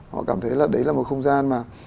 họ cảm thấy là đấy là một không gian mà